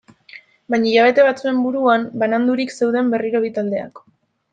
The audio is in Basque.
Baina hilabete batzuen buruan banandurik zeuden berriro bi taldeak.